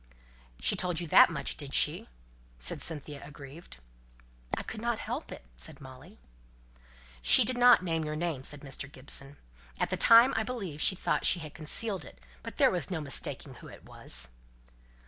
"She told you that much, did she?" said Cynthia, aggrieved. "I could not help it," said Molly. "She didn't name your name," said Mr. Gibson. "At the time I believe she thought she had concealed it but there was no mistaking who it was."